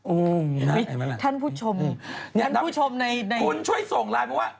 โอ้โหท่านผู้ชมท่านผู้ชมในคุณช่วยส่งไลน์มาว่า